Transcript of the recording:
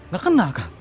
gak kenal kak